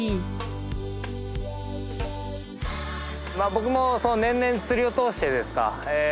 僕も年々釣りを通してですか。